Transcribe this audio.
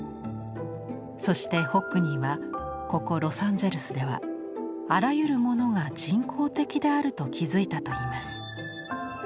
そしてホックニーはここロサンゼルスではあらゆるものが人工的であると気付いたといいます。